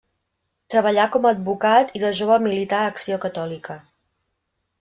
Treballà com a advocat i de jove milità a Acció Catòlica.